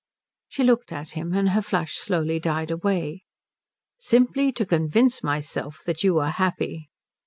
She looked at him, and her flush slowly died away. "Simply to convince myself that you are happy."